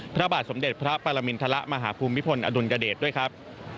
พระบาทสมเด็จพระปรมินทรมาฮภูมิพลอดุลยเดชด้วยครับ